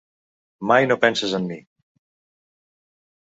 Mai no penses en mi.